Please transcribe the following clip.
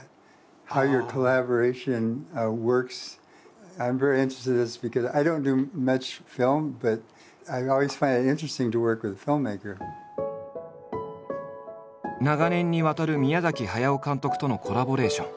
それでただ長年にわたる宮駿監督とのコラボレーション。